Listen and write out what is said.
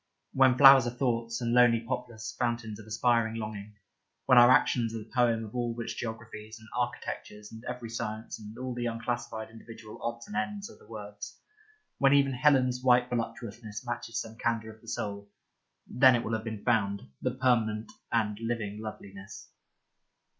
When flowers are thoughts, and lonely poplars fountains of aspiring longing ; when our actions are the poem of which all geographies and architectures and every science and all the unclassed individual odds and ends are the words, when even Helen's white voluptuousness matches some candour of the soul — then it will have been found, the permanent and living loveliness.